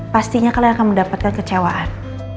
pastinya kalian akan mendapatkan kecewaan